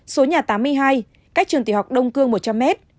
số nhà tám mươi hai cách trường tiểu học đông cương một trăm linh m